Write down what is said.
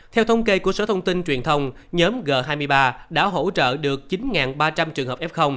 theo thông kê của sở thông tin truyền thông nhóm g hai mươi ba đã hỗ trợ được chín ba trăm linh trường hợp f